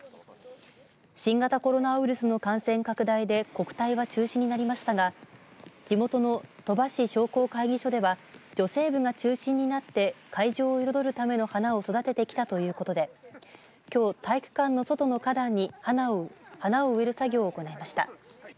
新型コロナウイルスの感染拡大で国体は中止になりましたが地元の鳥羽市商工会議所では女性部が中心になって会場を彩るための花を育ててきたということできょう体育館の外の花壇に花を植える作業を行いました。